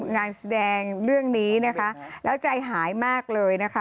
งานแสดงเรื่องนี้นะคะแล้วใจหายมากเลยนะคะ